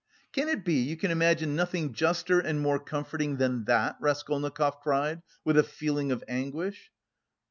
"Can it be you can imagine nothing juster and more comforting than that?" Raskolnikov cried, with a feeling of anguish.